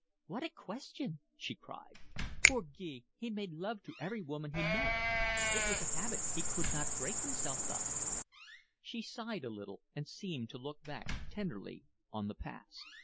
"What a question!" she cried. "Poor Guy, he made love to every woman he met. It was a habit that he could not break himself of." She sighed a little, and seemed to look back tenderly on the past.